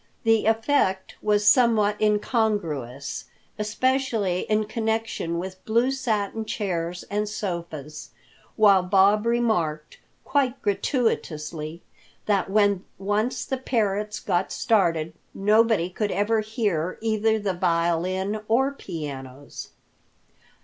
The effect was somewhat incongruous, especially in connection with blue satin chairs and sofas, while Bob remarked, quite gratuitously, that when once the parrots got started nobody could ever hear either the violin or pianos.